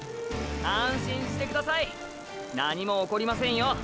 安心してください何も起こりませんよ。